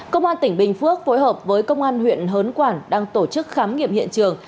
công an tỉnh bình phước phối hợp với công an huyện hớn quản đang tổ chức khám nghiệm hiện trường